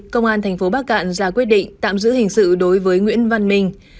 công an tỉnh bắc cạn đã quyết định tạm giữ hình sự đối với nguyễn văn minh